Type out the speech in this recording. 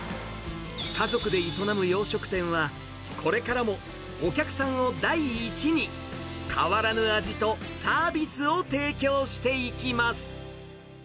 家族で営む洋食店は、これからもお客さんを第一に、変わらぬ味とサービスを提供していきます。